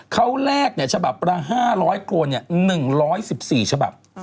เขาแลกฉบับละ๕๐๐โครน๑๑๔ฉบับ